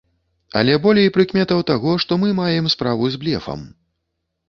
Але болей прыкметаў таго, што мы маем справу з блефам.